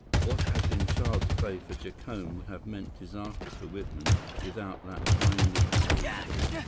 What had been child's play for Jacome would have meant disaster for Whitman, without that timely aid.